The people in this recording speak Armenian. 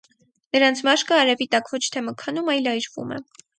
Նրանց մաշկը արևի տակ ոչ թե մգանում, այլ այրվում է։